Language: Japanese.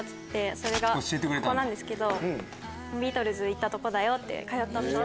それがここなんですけど「ビートルズ行ったとこだよ通ったお店だよ」